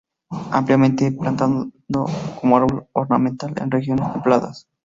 Ampliamente plantado como árbol ornamental en regiones templadas.